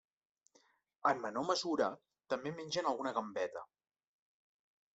En menor mesura també mengen alguna gambeta.